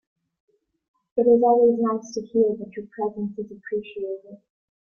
It is always nice to hear that your presence is appreciated.